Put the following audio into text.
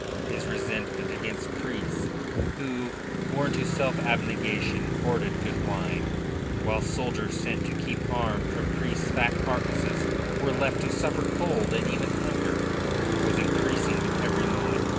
His resentment against priests who, sworn to self abnegation, hoarded good wine, whilst soldiers sent to keep harm from priests' fat carcasses were left to suffer cold and even hunger, was increasing with every moment.